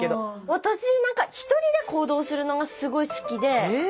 私なんか１人で行動するのがすごい好きで。